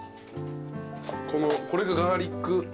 これがガーリック。